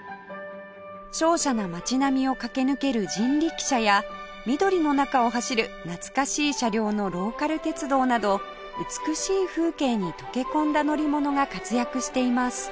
瀟洒な街並みを駆け抜ける人力車や緑の中を走る懐かしい車両のローカル鉄道など美しい風景に溶け込んだ乗り物が活躍しています